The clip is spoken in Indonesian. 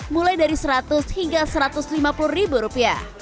mulai dari rp seratus hingga rp satu ratus lima puluh